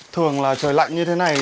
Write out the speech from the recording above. thường là trời lạnh như thế này